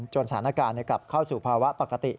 สถานการณ์กลับเข้าสู่ภาวะปกติ